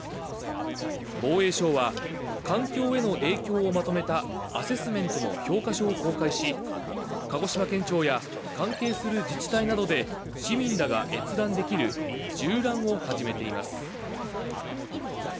防衛省は環境への影響をまとめたアセスメントの評価書を公開し鹿児島県庁や関係する自治体などで市民らが閲覧できる縦覧を始めています。